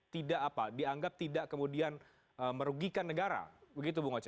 tidak apa dianggap tidak kemudian merugikan negara begitu bung oce